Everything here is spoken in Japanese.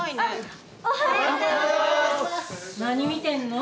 何見てんの？